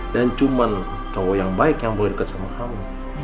dan cuman cowok yang baik yang boleh deket sama kamu